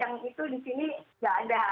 yang itu di sini nggak ada